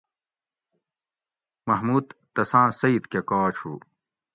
محمود تسان سیٔت کہۤ کاچ ہوُ